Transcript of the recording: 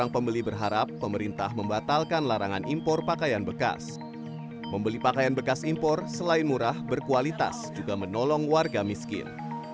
pembeli pakaian bekas impor selain murah berkualitas juga menolong warga miskin